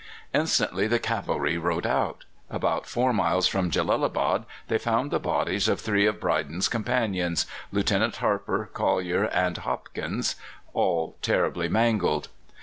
Instantly the cavalry rode out. About four miles from Jellalabad they found the bodies of three of Brydon's companions Lieutenant Harper, Collyer, and Hopkins all terribly mangled.